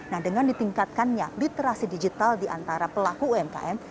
nah dengan ditingkatkannya literasi digital diantara pelaku umkm